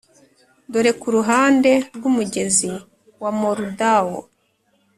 dore kuruhande rwumugezi wa moldau ,